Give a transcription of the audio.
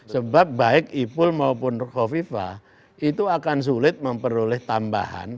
sebab baik ipul maupun khofifa itu akan sulit memperoleh tambahan